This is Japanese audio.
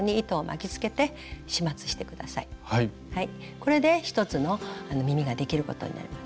これで１つの耳ができることになります。